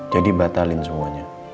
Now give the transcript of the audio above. jadi batalin semuanya